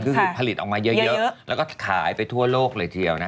คือผลิตออกมาเยอะแล้วก็ขายไปทั่วโลกเลยทีเดียวนะ